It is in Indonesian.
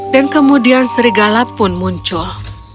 dan kemudian serigala pun muncul